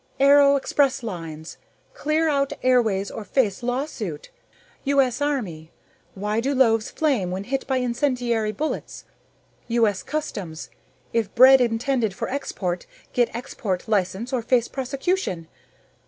Aero expresslines: Clear our airways or face law suit. U. S. Army: Why do loaves flame when hit by incendiary bullets? U. S. Customs: If bread intended for export, get export license or face prosecution.